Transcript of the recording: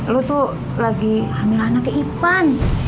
lu tuh lagi hamil anak ke ipan